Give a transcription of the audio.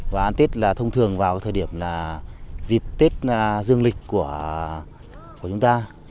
và ăn tết là thông thường vào thời điểm dịp tết dương lịch của chúng ta